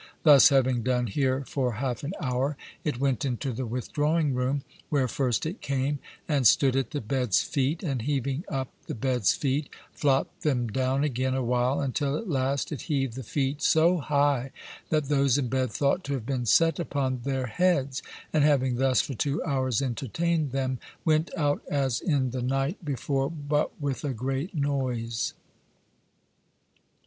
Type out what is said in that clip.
Thus having done here for half an hour, it went into the withdrawing room, where first it came and stood at the bed's feet, and heaving up the bed's feet, flopt them down again a while, until at last it heaved the feet so high that those in bed thought to have been set upon their heads; and having thus for two hours entertained them, went out as in the night before, but with a great noise.